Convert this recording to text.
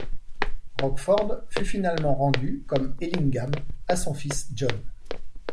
Rockford fut finalement rendu, comme Ellingham, à son fils John.